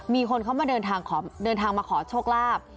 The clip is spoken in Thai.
มีคนเขามาเดินทางมาขอโชคลาภ